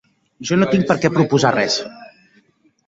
Jo no tinc per què proposar res.